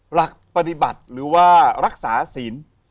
หลักปฏิบัติหรือว่ารักษาศีล